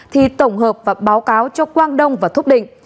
thì tổng hợp và báo cáo cho quang đông và thúc định